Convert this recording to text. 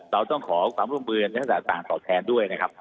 เราต้องขอความร่วมมือในลักษณะต่างตอบแทนด้วยนะครับ